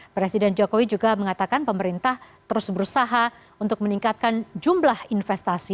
presiden jokowi juga mengatakan pemerintah terus berusaha untuk meningkatkan jumlah investasi